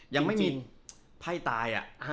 ยังไม่มีไพ่ตาย